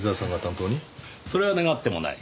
それは願ってもない。